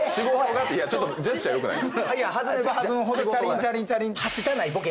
弾めば弾むほどチャリンチャリンチャリン。